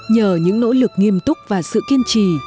nhờ những nỗ lực nghiêm túc và sự kiên trì